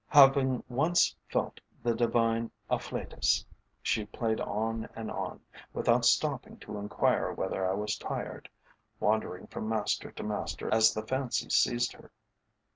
Having once felt the divine afflatus, she played on and on, without stopping to enquire whether I was tired, wandering from master to master as the fancy seized her.